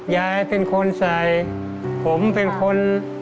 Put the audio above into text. ยายเป็นคนใส่ผมเป็นคน